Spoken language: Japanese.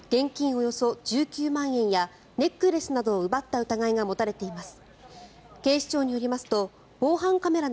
およそ１９万円やネックレスなどを奪った疑いが持たれています。